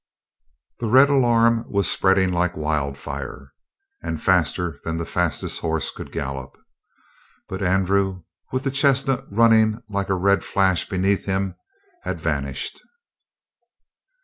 The red alarm was spreading like wildfire, and faster than the fastest horse could gallop. But Andrew, with the chestnut running like a red flash beneath him, had vanished.